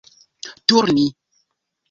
turni